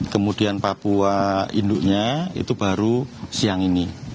kemudian papua induknya itu baru siang ini